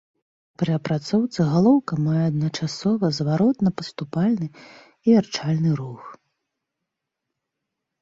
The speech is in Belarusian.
Пры апрацоўцы галоўка мае адначасова зваротна-паступальны і вярчальны рух.